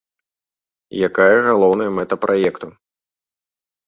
Якая галоўная мэта праекту?